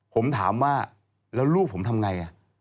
ผมถามว่าแล้วลูกผมทำไง